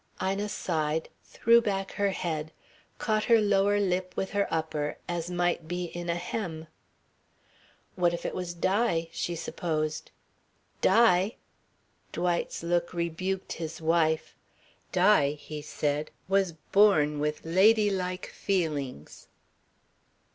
Ina sighed, threw back her head, caught her lower lip with her upper, as might be in a hem. "What if it was Di?" she supposed. "Di!" Dwight's look rebuked his wife. "Di," he said, "was born with ladylike feelings."